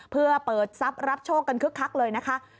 เพื่อเปิดทรัพย์รับโชคกันคึกคักเลยนะคะ